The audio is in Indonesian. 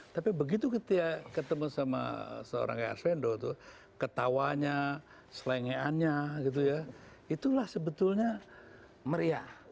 tapi begitu ketika ketemu sama seorang kayak arswendo tuh ketawanya selengeannya gitu ya itulah sebetulnya meriah